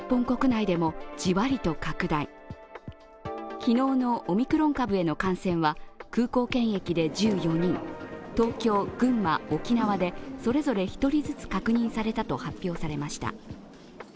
昨日のオミクロン株への感染は空港検疫で１４人、東京、群馬、沖縄でそれぞれ１人ずつ確認されたと発表されました。